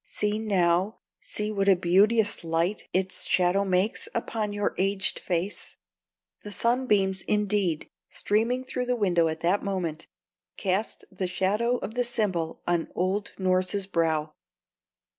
See now see what a beauteous light its shadow makes upon your aged face!" The sunbeams, indeed, streaming through the window at that moment, cast the shadow of the symbol on old Norss's brow.